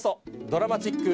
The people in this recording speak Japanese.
『ドラマチック！